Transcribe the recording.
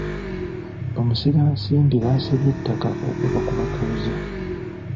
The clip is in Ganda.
Bamusigansimbi baasabye ettaka okuva ku batuuze.